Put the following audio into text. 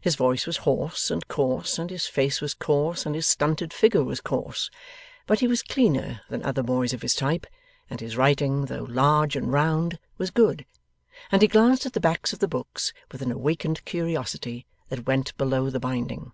His voice was hoarse and coarse, and his face was coarse, and his stunted figure was coarse; but he was cleaner than other boys of his type; and his writing, though large and round, was good; and he glanced at the backs of the books, with an awakened curiosity that went below the binding.